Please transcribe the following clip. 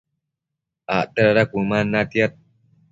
acte dada cuëman natiad